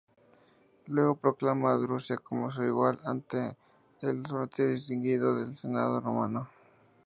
Luego proclama a Drusila como su igual, ante el aparente disgusto del Senado romano.